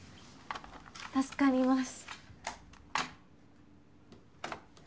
助かります。